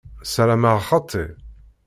Sarameɣ xaṭi.